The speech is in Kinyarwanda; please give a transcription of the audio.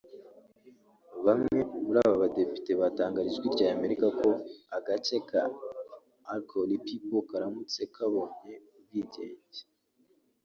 Bamwe muri aba badepite batangarije Ijwi rya Amerika ko agace ka Acholi people karamutse kabonye ubwigenge